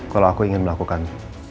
kalo aku ingin melakukan